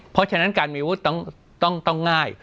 เพราะฉะนั้นการมีวุฒิต้องง่าย